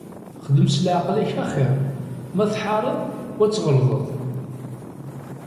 Xdem s leεqel-ik axir ma tḥareḍ u ad tɣelḍeḍ.